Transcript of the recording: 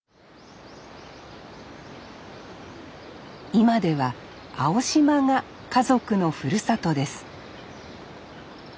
今では青島が家族のふるさとです